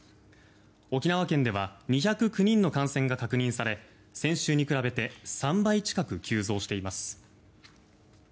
沖縄県では２０９人の感染が確認され先週に比べて３倍近く急増しています。